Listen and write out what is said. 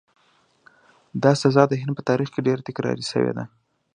دا سزا د هند په تاریخ کې ډېره تکرار شوې ده.